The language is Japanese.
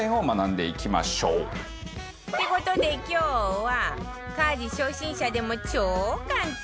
って事で今日は家事初心者でも超簡単